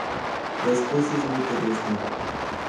La especie es muy terrestre.